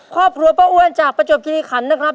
ครอบครัวป้าอ้วนจากประจวบคิริขันนะครับ